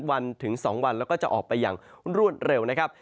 วันถึง๒วันแล้วก็จะออกไปอย่างรวดเร็วนะครับ